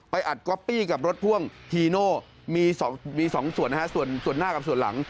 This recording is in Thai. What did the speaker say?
อัดก๊อปปี้กับรถพ่วงทีโน่มี๒ส่วนนะฮะส่วนหน้ากับส่วนหลัง